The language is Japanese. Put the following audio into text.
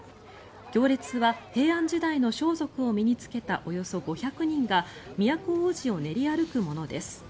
行列は平安時代の装束を身に着けたおよそ５００人が都大路を練り歩くものです。